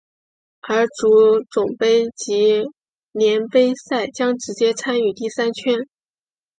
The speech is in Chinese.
而足总杯及联赛杯将直接参与第三圈。